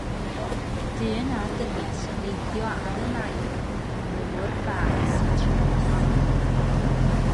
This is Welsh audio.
Dyn a dynes yn neidio am yn ail yn nŵr bas y traeth.